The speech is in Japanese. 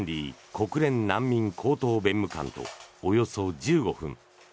国連難民高等弁務官とおよそ１５分。